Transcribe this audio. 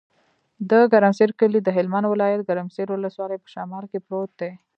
د ګرمسر کلی د هلمند ولایت، ګرمسر ولسوالي په شمال کې پروت دی.